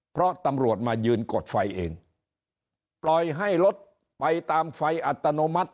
เพราะตำรวจมายืนกดไฟเองปล่อยให้รถไปตามไฟอัตโนมัติ